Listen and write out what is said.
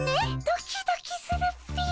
ドキドキするっピィ。